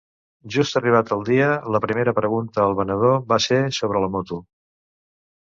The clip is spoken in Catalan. Just arribat el dia, la primera pregunta al venedor va ser sobre la moto.